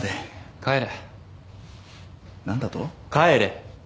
帰れ！